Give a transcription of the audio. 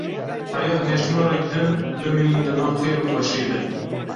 Heya hejmarek din bimînin di nav xêr û xweşîyê de.